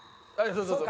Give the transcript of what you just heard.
そうそうそう。